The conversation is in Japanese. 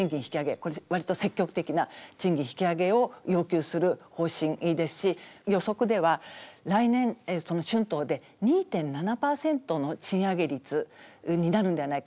これ割と積極的な賃金引き上げを要求する方針ですし予測では来年春闘で２．７％の賃上げ率になるんではないか。